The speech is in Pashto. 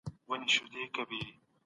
بې عدالتي د نظامونو ریښې وچوي.